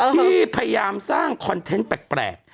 ที่พยายามสร้างคอนเทนต์แปลก